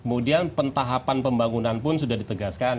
kemudian pentahapan pembangunan pun sudah ditegaskan